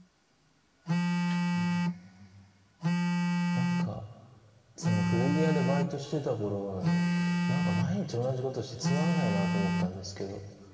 何かその古着屋でバイトしてた頃は何か毎日同じことしてつまらないなと思ったんですけど。